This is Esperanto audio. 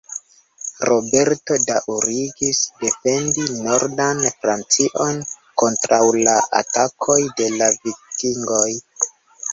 Roberto daŭrigis defendi nordan Francion kontraŭ la atakoj de la Vikingoj.